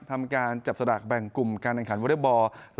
ทำการจับสลากแบ่งกลุ่มการแข่งขันวอเล็กบอล